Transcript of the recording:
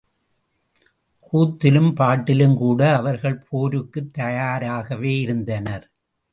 கூத்திலும் பாட்டிலுங்கூட அவர்கள் போருக்குத் தயாராகவேயிருந்தனர்.